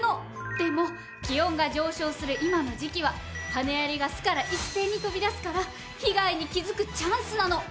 でも気温が上昇する今の時期は羽アリが巣から一斉に飛び出すから被害に気づくチャンスなの。